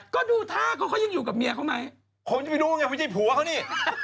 ขณะตอนอยู่ในสารนั้นไม่ได้พูดคุยกับครูปรีชาเลย